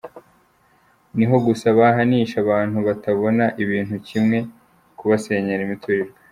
Niho gusa bahanisha abantu batabona ibintu kimwe kubasenyera imiturirwa